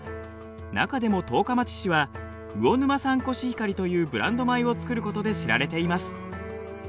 中でも十日町市は魚沼産コシヒカリというブランド米を作ることで知られています。